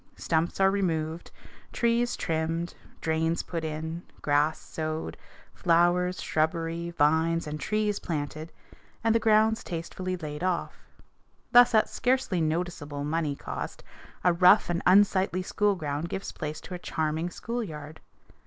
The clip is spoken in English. Stumps are removed, trees trimmed, drains put in, grass sowed, flowers, shrubbery, vines, and trees planted, and the grounds tastefully laid off. Thus at scarcely noticeable money cost a rough and unsightly school ground gives place to a charming school yard.